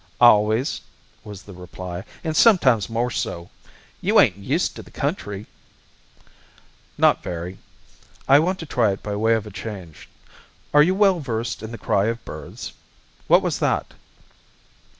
"Always," was the reply, "and sometimes more so. You ain't used to the country?" "Not very. I want to try it by way of a change. Are you well versed in the cry of birds? What was that?"